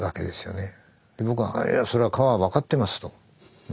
僕は「そりゃ川は分かってます」と。